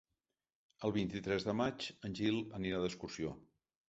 El vint-i-tres de maig en Gil anirà d'excursió.